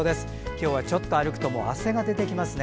今日はちょっと歩くともう汗が出てきますね。